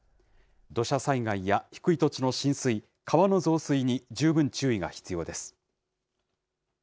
土砂災害や低い土地の浸水、川の増水に十分注意が必要です。